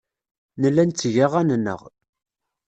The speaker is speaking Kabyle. Nella netteg aɣan-nneɣ.